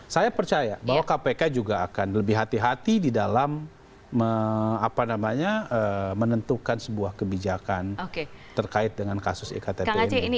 saya percaya bahwa kpk juga akan lebih hati hati di dalam menentukan sebuah kebijakan terkait dengan kasus iktp ini